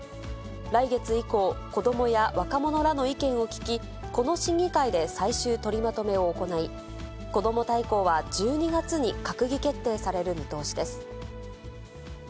来月以降、こどもや若者らの意見を聞き、この審議会で最終取りまとめを行い、こども大綱は１２月に閣議決定される見通しです。